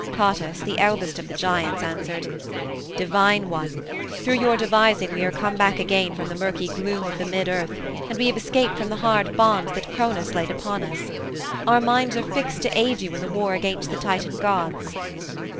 Cottus, the eldest of the giants, answered, "Divine One, through your devising we are come back again from the murky gloom of the mid Earth and we have escaped from the hard bonds that Cronos laid upon us. Our minds are fixed to aid you in the war against the Titan gods."